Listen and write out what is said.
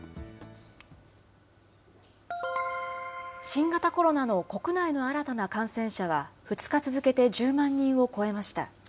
新型コロナの国内の新たな感染者は２日続けて１０万人を超えました。